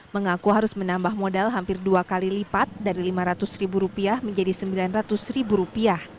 mengaku harus menambah modal hampir dua kali lipat dari rp lima ratus menjadi rp sembilan ratus